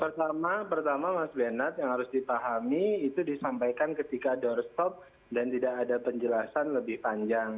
pertama pertama mas bernat yang harus dipahami itu disampaikan ketika doorstop dan tidak ada penjelasan lebih panjang